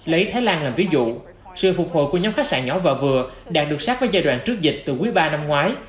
lấy thái lan làm ví dụ sự phục hồi của nhóm khách sạn nhỏ và vừa đạt được sát với giai đoạn trước dịch từ quý ba năm ngoái